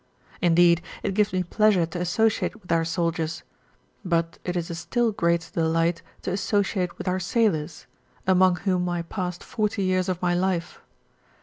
Indeed it gives me pleasure to associate with our soldiers, but it is a still greater delight to associate with our sailors, among whom I passed forty years of my life.